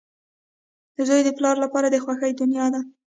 • زوی د پلار لپاره د خوښۍ دنیا ده.